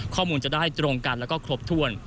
ข้อมูลจะได้ตรงกันแล้วก็ครบถ้วน